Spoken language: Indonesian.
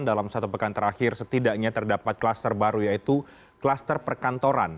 dalam satu pekan terakhir setidaknya terdapat kluster baru yaitu kluster perkantoran